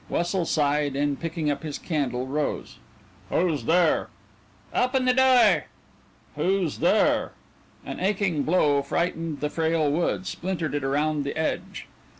Wessel sighed and, picking up his candle, rose. "Who's there?" "Open the door!" "Who's there?" An aching blow frightened the frail wood, splintered it around the edge.